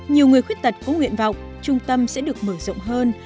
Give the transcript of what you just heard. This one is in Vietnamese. nhiều người khuyết tật có nguyện vọng trung tâm sẽ được mở rộng hơn